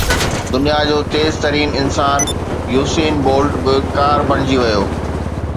دنيا جو تيز ترين انسان يوسين بولٽ به ڪار بڻجي ويو